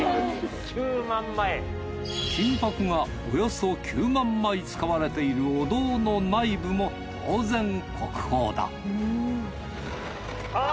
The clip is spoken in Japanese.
金箔がおよそ９万枚使われているお堂の内部も当然国宝だあ！